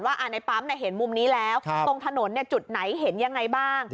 ในปั๊มเห็นมุมนี้แล้วตรงถนนจุดไหนเห็นยังไงบ้าง